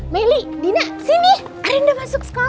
meily dina sini arin udah masuk sekolah loh